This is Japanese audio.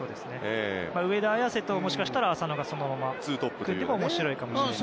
上田綺世ともしかしたら浅野が組んでも面白いかもしれません。